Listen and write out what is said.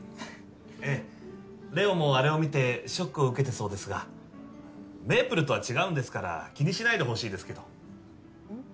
ええれおもあれを見てショックを受けてそうですがめいぷるとは違うんですから気にしないでほしいですけどうん？